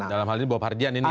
dalam hal ini bopardian ini ya